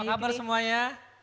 apa kabar semuanya